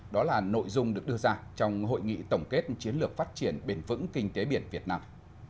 đó là nội dung được đưa ra trong hội nghị tổng kết chiến lược phát triển bền vững kinh tế biển việt nam